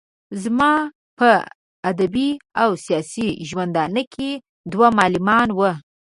زما په ادبي او سياسي ژوندانه کې دوه معلمان وو.